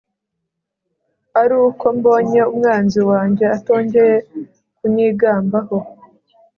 ari uko mbonye umwanzi wanjye atongeye kunyigambaho